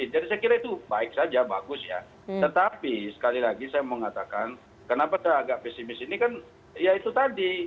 jadi saya kira itu baik saja bagus ya tetapi sekali lagi saya mengatakan kenapa saya agak pesimis ini kan ya itu tadi